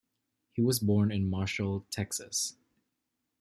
He was born in Marshall, Texas.